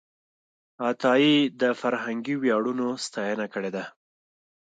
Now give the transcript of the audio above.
عطایي د فرهنګي ویاړونو ستاینه کړې ده.